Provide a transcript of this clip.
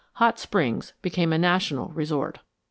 Hot Springs became a national resort.